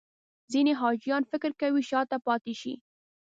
ځینې حاجیان فکر کوي شاته پاتې شي.